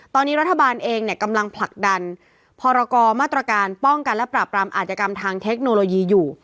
ตอนนี้รัฐบาลเองเนี่ยกำลังผลักดันพรกรมาตรการป้องกันและปราบรามอาจกรรมทางเทคโนโลยีอยู่